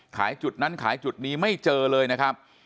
จุดนั้นขายจุดนี้ไม่เจอเลยนะครับ